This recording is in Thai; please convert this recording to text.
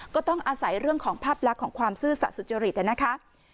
ก็ต้องอาศัยเรื่องของภาพลักษณ์ของความซื่อสัตว์สุจริตนะคะ